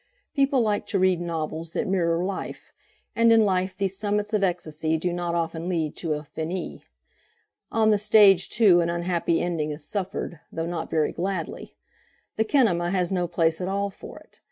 People like to read novels that mirror life, and in life these summits of ecstasy do not often lead to a "Finis."On the stage, too, an unhappy ending is suffered, though not very gladly. The kinema has no place at all for it.